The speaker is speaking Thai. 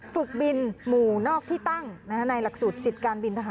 ฝึกบินหมู่นอกที่ตั้งในหลักสูตรสิทธิ์การบินทหาร